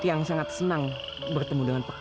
tiang sangat senang bertemu dengan pekak